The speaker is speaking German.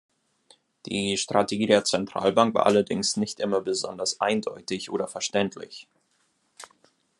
Die Strategie der Zentralbank war allerdings nicht immer besonders eindeutig oder verständlich.